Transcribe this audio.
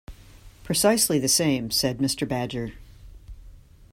"Precisely the same," said Mr. Badger.